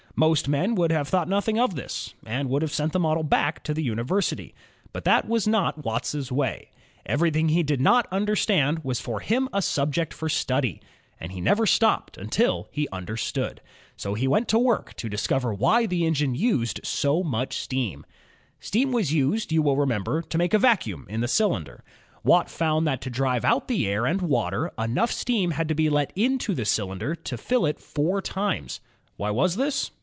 Most men would have thought nothing of this, and would have sent the model back to the university. But that was not Watt's way. Everything he did' not understand was for him a subject for study, and he never stopped until he JAMES WATT IS » understood. So he set to work to discover why the engine used so much steam. Steam was used, you will remember, to make a vacuum in the cylinder. Watt found that to drive out the air and water, enough steam had to be let into the cylinder to fill it four times. Why was this?